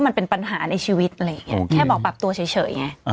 มันเป็นปัญหาในชีวิตอะไรเงี้ยโอเคแค่บอกปรับตัวเฉยเฉยน่ะอ่า